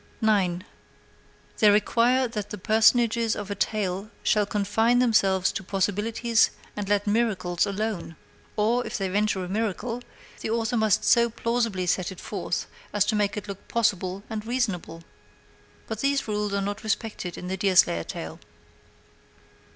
9. They require that the personages of a tale shall confine themselves to possibilities and let miracles alone; or, if they venture a miracle, the author must so plausibly set it forth as to make it look possible and reasonable. But these rules are not respected in the Deerslayer tale.